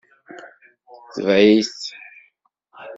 Tbeɛ-it.